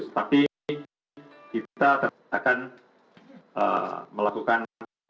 tapi kita akan melakukan